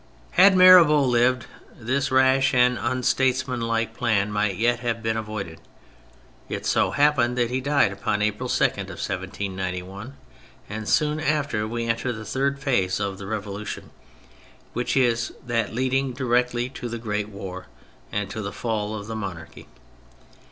Had Mirabeau lived this rash and unstates manlike plan might yet have been avoided; it so happened that he died upon April 2, 1791, and soon after we enter the third phase of the Revolution, which is that leading directly to the great war, and to the fall of the monarchy.